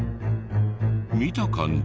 見た感じ